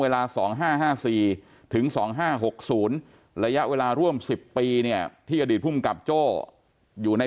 ๒๕๕๔ถึง๒๕๖๐ระยะเวลาร่วม๑๐ปีเนี่ยที่อดีตภูมิกับโจ้อยู่ใน